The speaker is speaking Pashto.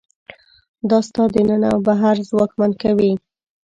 دا ستا دننه او بهر ځواکمن کوي.